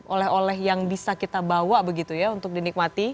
oleh oleh yang bisa kita bawa begitu ya untuk dinikmati